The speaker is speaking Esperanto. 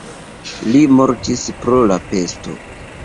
Li mortis pro la pesto.